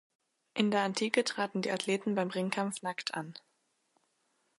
In der Antike traten die Athleten beim Ringkampf nackt an.